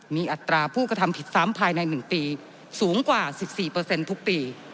มีอัตราผู้กระทำผิดซ้ำภายใน๑ปีสูงกว่า๑๔ทุกปี